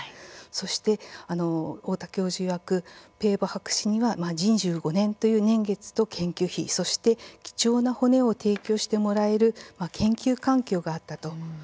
そして、太田教授いわくペーボ博士には２５年という年月と研究費、そして貴重な骨を提供してもらえる研究環境があったと。